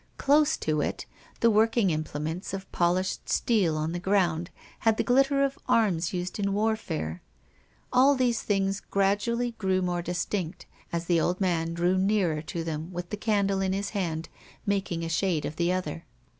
Close to it, the working implements of polished steel on the ground had the glitter of arms used in warfare. All these things gradually grew more distinct, as the old man drew nearer to them with the candle in his hand, making a shade of the other.